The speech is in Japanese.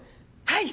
はい。